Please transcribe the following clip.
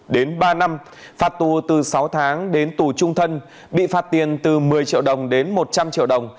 đến ba năm phạt tù từ sáu tháng đến tù trung thân bị phạt tiền từ một mươi triệu đồng đến một trăm linh triệu đồng